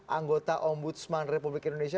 anggota ombudsman republik indonesia